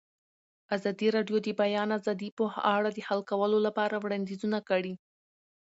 ازادي راډیو د د بیان آزادي په اړه د حل کولو لپاره وړاندیزونه کړي.